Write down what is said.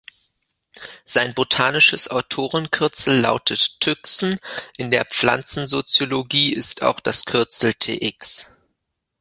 Sein botanisches Autorenkürzel lautet Tüxen, in der Pflanzensoziologie ist auch das Kürzel Tx.